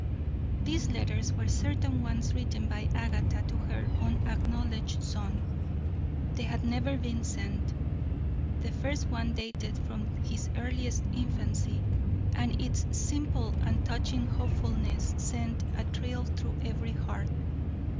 These letters were certain ones written by Agatha to her unacknowledged son. They had never been sent. The first one dated from his earliest infancy, and its simple and touching hopefulness sent a thrill through every heart.